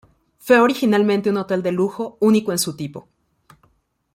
Fue originalmente un hotel de lujo, único en su tipo.